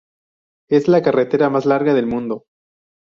Es la carretera más larga del mundo.